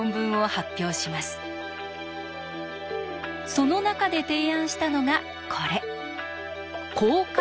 その中で提案したのがこれ。